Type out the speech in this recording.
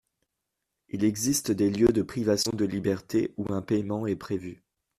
Il existe des lieux de privation de liberté où un paiement est prévu.